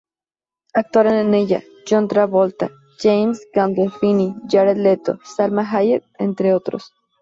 Actuaron en ella John Travolta, James Gandolfini, Jared Leto, Salma Hayek, entre otros.